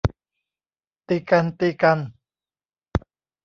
ตีกัน ตีกัน